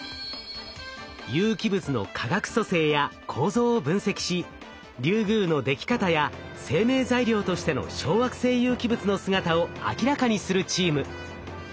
有機物の化学組成や構造を分析しリュウグウの出来方や生命材料としての小惑星有機物の姿を明らかにするチーム。